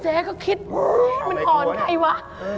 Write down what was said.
เจ๊ก็คิดมันอ่อนใครวะ